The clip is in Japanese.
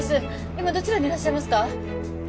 今どちらにいらっしゃいますか？